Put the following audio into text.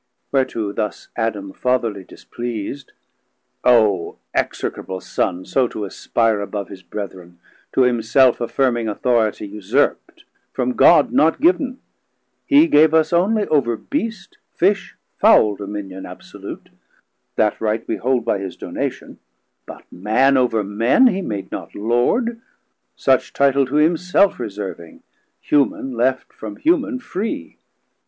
Whereto thus Adam fatherly displeas'd. O execrable Son so to aspire Above his Brethren, to himself affirming Authoritie usurpt, from God not giv'n: He gave us onely over Beast, Fish, Fowl Dominion absolute; that right we hold By his donation; but Man over men He made not Lord; such title to himself 70 Reserving, human left from human free.